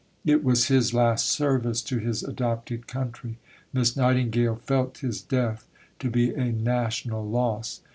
It was his last service to his adopted country. Miss Nightingale felt his death to be a national loss.